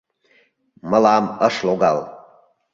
Мылам ыш логал...